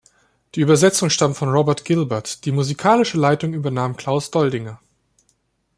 Die Übersetzung stammt von Robert Gilbert; die musikalische Leitung übernahm Klaus Doldinger.